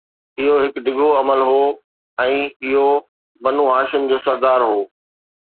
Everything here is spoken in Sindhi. اهو هڪ ڊگهو عمل هو ۽ اهو بنو هاشم جو سردار هو